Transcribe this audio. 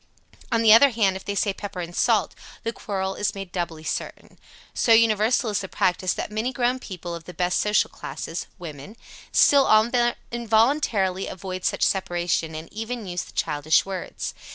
On the other hand, if they say "pepper and salt," the quarrel is made doubly certain. So universal is the practice that many grown people of the best social class (women) still involuntarily avoid such separation, and even use the childish words.